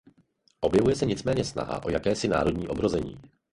Objevuje se nicméně snaha o jakési národní obrození.